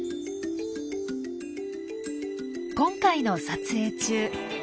今回の撮影中。